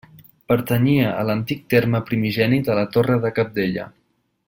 Pertanyia a l'antic terme primigeni de la Torre de Cabdella.